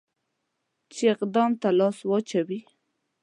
چې اقدام ته لاس واچوي.